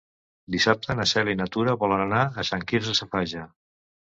Dissabte na Cel i na Tura volen anar a Sant Quirze Safaja.